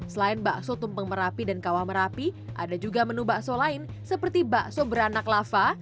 selain bakso tumpeng merapi dan kawah merapi ada juga menu bakso lain seperti bakso beranak lava